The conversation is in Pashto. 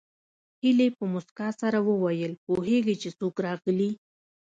هيلې په مسکا سره وویل پوهېږې چې څوک راغلي